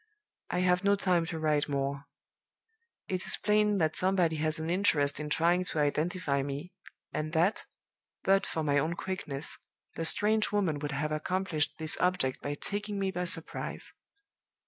"I have no time to write more. It is plain that somebody has an interest in trying to identify me, and that, but for my own quickness, the strange woman would have accomplished this object by taking me by surprise.